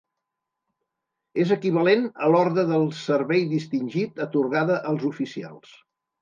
És l'equivalent a l'Orde del Servei Distingit atorgada als oficials.